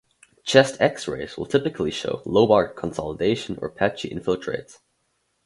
Chest X-rays will typically show lobar consolidation or patchy infiltrates.